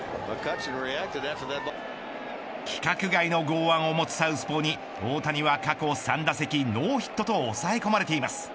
規格外の剛腕を持つサウスポーに大谷は過去３打席ノーヒットと抑え込まれています。